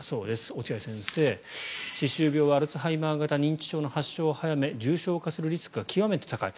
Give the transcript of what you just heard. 落合先生、歯周病はアルツハイマー型認知症の発症を早め重症化するリスクが極めて高い。